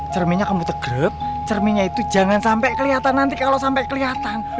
cerminnya kamu tegrep cerminnya itu jangan sampe keliatan nanti kalo sampe keliatan